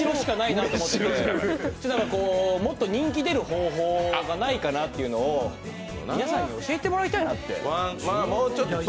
こう、もっと人気出る方法がないのかなっていうのを皆さんに教えてもらいたいなって。